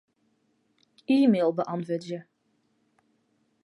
E-mail beäntwurdzje.